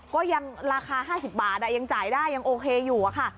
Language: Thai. ก็ยังราคา๕๐บาทยังจ่ายได้ยังโอเคอยู่อะค่ะ